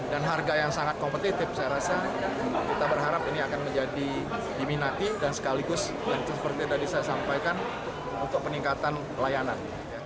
dan harga yang sangat kompetitif saya rasa kita berharap ini akan menjadi diminati dan sekaligus seperti yang tadi saya sampaikan untuk peningkatan pelayanan